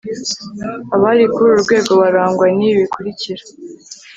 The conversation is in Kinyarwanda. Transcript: abari kuri uru rwego barangwa n'ibi bikurikira